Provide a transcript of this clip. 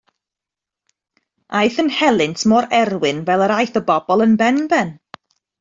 Aeth yn helynt mor erwin fel yr aeth y bobl yn benben.